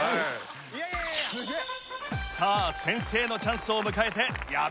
さあ先制のチャンスを迎えて矢部浩之。